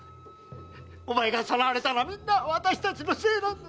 お前がさらわれたのはみんな私たちのせいなんだ。